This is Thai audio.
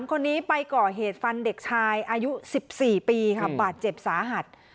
คนนี้ไปก่อเหตุฟันเด็กชายอายุ๑๔ปีค่ะบาดเจ็บสาหัส